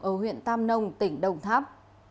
ở huyện tam nông tỉnh đồng tháp